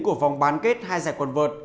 của vòng bán kết hai giải quần vợt